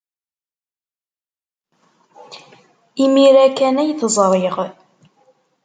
Imir-a kan ay t-ẓriɣ.